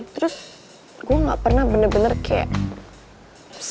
terus gue ga pernah bener bener kaya